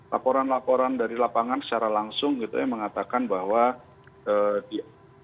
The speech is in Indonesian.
laporan laporan dari lapangan secara langsung gitu ya mengatakan bahwa dia